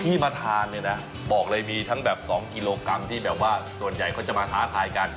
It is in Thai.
ที่มาทานเนี่ยนะบอกเลยมีทั้งแบบ๒กิโลกรัมที่แบบว่าส่วนใหญ่เขาจะมาท้าทายกัน